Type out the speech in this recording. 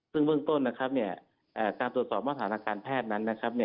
ซึ่งเบื้องต้นการตรวจสอบมาตรฐานทางการแพทย์นั้น